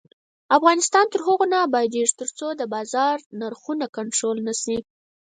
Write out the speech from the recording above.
افغانستان تر هغو نه ابادیږي، ترڅو د بازار نرخونه کنټرول نشي.